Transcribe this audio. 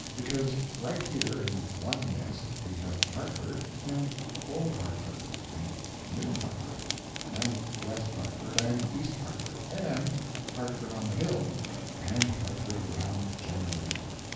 Because right here in one nest we have Hartford, and Old Hartford, and New Hartford, and West Hartford and East Hartford, and Hartford on the Hill, and Hartford around generally.